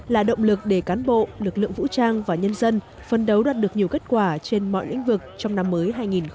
là động lực để cán bộ lực lượng vũ trang và nhân dân phân đấu đạt được nhiều kết quả trên mọi lĩnh vực trong năm mới hai nghìn hai mươi